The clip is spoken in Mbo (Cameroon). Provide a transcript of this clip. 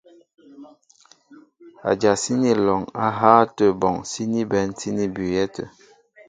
Adyasíní alɔŋ á hááŋ átə bɔŋ síní bɛ̌n síní bʉʉyɛ́ tə̂.